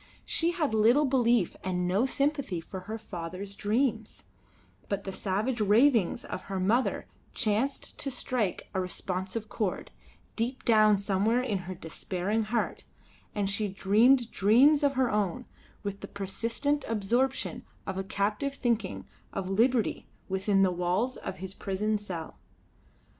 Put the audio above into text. She had little belief and no sympathy for her father's dreams; but the savage ravings of her mother chanced to strike a responsive chord, deep down somewhere in her despairing heart; and she dreamed dreams of her own with the persistent absorption of a captive thinking of liberty within the walls of his prison cell.